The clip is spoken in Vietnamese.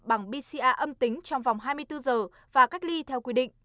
bằng bca âm tính trong vòng hai mươi bốn giờ và cách ly theo quy định